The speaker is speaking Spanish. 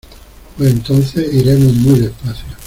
pues entonces iremos muy despacio